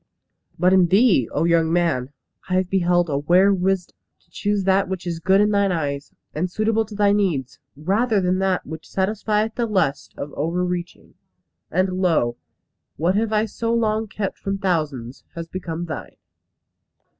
"But in thee, O young man! I have beheld a rare wisdom. To choose that which is good in thine eyes, and suitable to thy needs, rather than that which satisfieth the lust of over reaching; and lo! what I have so long kept from thousands, has become thine!"